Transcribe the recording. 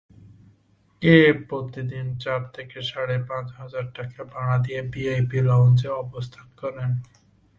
কে প্রতিদিন চার থেকে সাড়ে পাঁচ হাজার টাকা ভাড়া দিয়ে ভিআইপি লাউঞ্জে অবস্থান করেন?